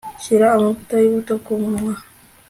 shyira amavuta y'ubuto ku munwa